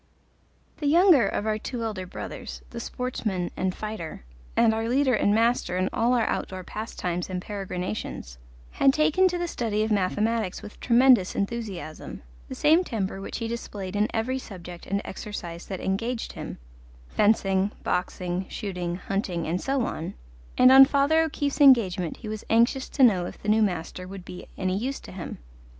The younger of our two elder brothers, the sportsman and fighter, and our leader and master in all our outdoor pastimes and peregrinations, had taken to the study of mathematics with tremendous enthusiasm, the same temper which he displayed in every subject and exercise that engaged him fencing, boxing, shooting, hunting, and so on; and on Father O'Keefe's engagement he was anxious to know if the new master would be any use to him.